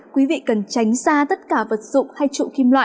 quý vị cần tránh xa tất cả vật dụng hay trụ kim loại